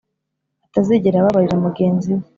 atazigera ababarira mugenzi we.